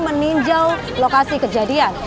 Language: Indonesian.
langsung meninjau lokasi kejadian